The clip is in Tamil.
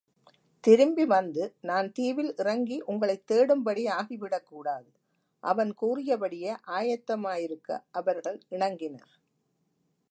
திரும்பி வந்து நான் தீவில் இறங்கி உங்களைத் தேடும்படி ஆகிவிடக் கூடாது. அவன் கூறியபடியே ஆயத்தமாயிருக்க அவர்கள் இணங்கினர்.